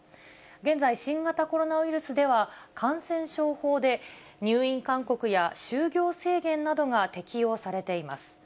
現在、新型コロナウイルスでは、感染症法で、入院勧告や就業制限などが適用されています。